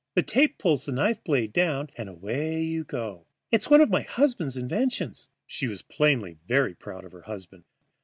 The tape pulls the knife blade down, and away you go. It's one of my husband's inventions." She was plainly very proud of her husband.